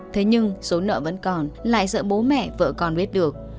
thế nhưng số nợ vẫn còn lại sợ bố mẹ vợ con biết được